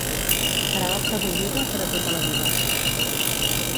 Carabassa bullida, per a tota la vida.